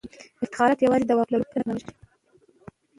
افتخارات یوازې د واک لرونکو په ګټه نه تمامیږي.